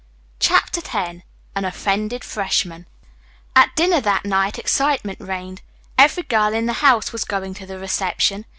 CHAPTER X AN OFFENDED FRESHMAN At dinner that night excitement reigned. Every girl in the house was going to the reception.